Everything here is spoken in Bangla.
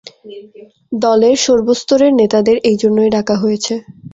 দলের সর্বস্তরের নেতাদের এ জন্যই ডাকা হয়েছে।